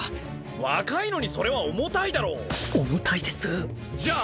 若いのにそれは重たいだろ重たいですじゃあ